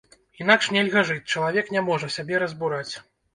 Інакш нельга жыць, чалавек не можа сябе разбураць.